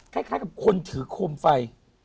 คล้ายกับคนถือโคมไฟ